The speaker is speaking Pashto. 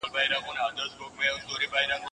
کله د خلګو غږونه انقلابونه رامنځته کوي؟